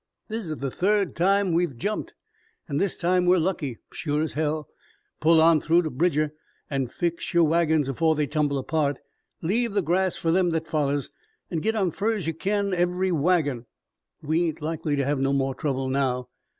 This is the third time we're jumped, an' this time we're lucky, shore as hell. Pull on through to Bridger an' fix yer wagons afore they tumble apart. Leave the grass fer them that follows, an' git on fur's you kin, every wagon. We ain't likely to have no more trouble now.